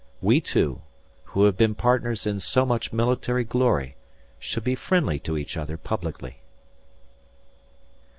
We two, who have been partners in so much military glory, should be friendly to each other publicly."